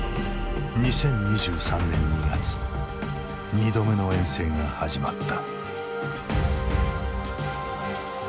２度目の遠征が始まった。